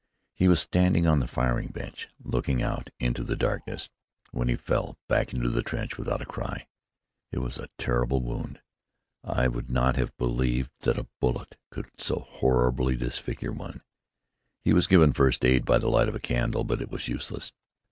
He was standing on the firing bench looking out into the darkness, when he fell back into the trench without a cry. It was a terrible wound. I would not have believed that a bullet could so horribly disfigure one. He was given first aid by the light of a candle; but it was useless.